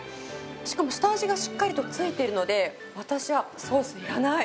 しかも下味がしっかりと付いているので、私はソースいらない。